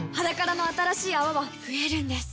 「ｈａｄａｋａｒａ」の新しい泡は増えるんです